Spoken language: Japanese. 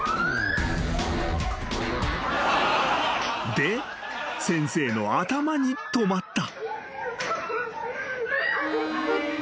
［で先生の頭に止まった］